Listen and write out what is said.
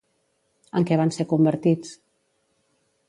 En què van ser convertits?